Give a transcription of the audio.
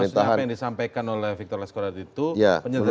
jadi maksudnya apa yang disampaikan oleh victor leskoda itu penyederhanaan